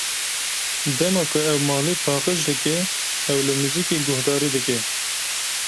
Dema ku ew malê paqij dike, ew li muzîkê guhdarî dike.